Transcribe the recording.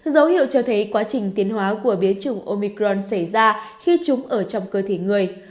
dấu hiệu cho thấy quá trình tiến hóa của biến chủng omicron xảy ra khi chúng ở trong cơ thể người